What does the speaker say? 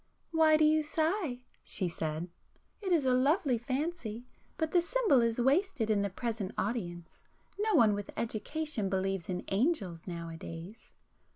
"Why do you sigh?" she said—"It is a lovely fancy,—but the symbol is wasted in the present audience,—no one with education believes in angels now a days."